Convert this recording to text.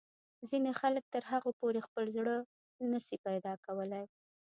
ځینې خلک تر هغو پورې خپل زړه نه شي پیدا کولای.